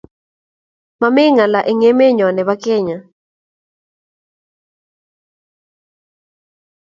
Mami ngala eng emenyoo nebo kenya